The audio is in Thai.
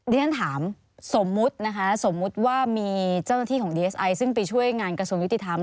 เรียนถามสมมุตินะคะสมมุติว่ามีเจ้าหน้าที่ของดีเอสไอซึ่งไปช่วยงานกระทรวงยุติธรรม